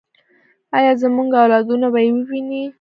آیا زموږ اولادونه به یې وویني؟